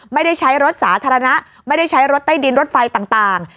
ไม่ได้ใช้รถสาธารณะไม่ได้ใช้รถใต้ดินรถไฟต่าง